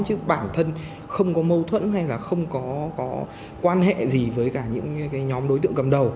chứ bản thân không có mâu thuẫn hay là không có quan hệ gì với cả những nhóm đối tượng cầm đầu